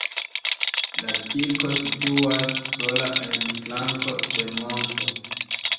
La kirko situas sola en flanko de monto.